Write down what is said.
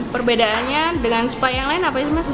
perbedaannya dengan spa yang lain apa sih mas